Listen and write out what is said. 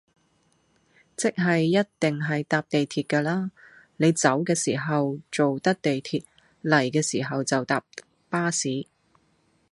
即係一定係搭地鐵㗎啦，你走嘅時候做得地鐵，嚟嘅時候就搭巴士